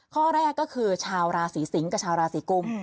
ข้อแรกก็คือชาวราศีสิงศ์กับชาวราศีกุม